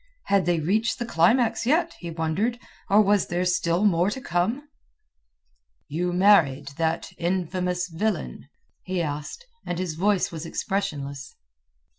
Had they reached the climax yet, he wondered, or was there still more to come? "You married that infamous villain?" he asked, and his voice was expressionless.